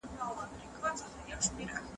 که شاعرۍ څېړئ نو عروض خامخا زده کړئ.